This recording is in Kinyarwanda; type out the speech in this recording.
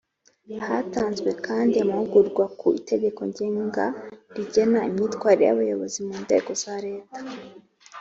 hatanzwe kandi amahugurwa ku itegeko ngenga rigena imyitwarire y’abayobozi mu nzego za leta